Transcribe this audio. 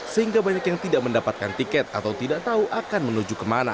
sehingga banyak yang tidak mendapatkan tiket atau tidak tahu akan menuju kemana